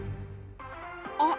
あっ！